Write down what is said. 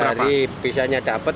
per hari bisanya dapat